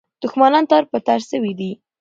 دښمنان تار په تار سوي دي.